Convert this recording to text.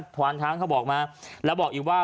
พวานช้างเขาบอกมาแล้วบอกอีกว่า